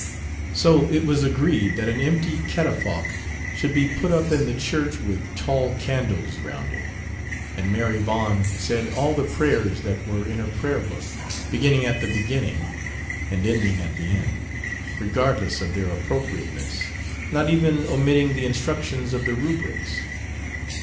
So it was agreed that an empty catafalque should be put up in the church with tall candles round it, and Mère Yvonne said all the prayers that were in her prayer book, beginning at the beginning and ending at the end, regardless of their appropriateness not even omitting the instructions of the rubrics.